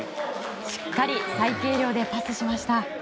しっかり再計量でパスしました。